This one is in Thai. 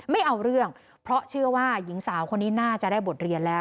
ไม่เอาเรื่องเพราะเชื่อว่าหญิงสาวคนนี้น่าจะได้บทเรียนแล้ว